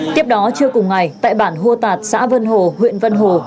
tiếp đó chưa cùng ngày tại bản hua tạt xã vân hồ huyện vân hồ